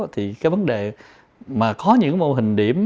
thì cái vấn đề mà có những mô hình điểm